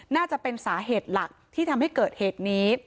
น่าจะเป็นสาเหตุหลักที่ทำให้เกิดเหตุนี้